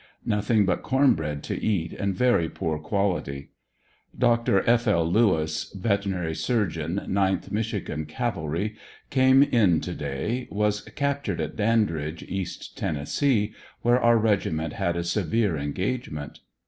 Nothing but corn bread to eat and very poor quality. Dr. F. L. Lewis, Vet. Surg. 9th Mich, cavalry, came in to day; was captured at Dandridge, East Tennessee, where our regiment had a severe engagement.